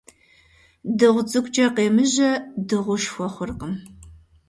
Дыгъу цӀыкӀукӀэ къемыжьэ дыгъушхуэ хъуркъым.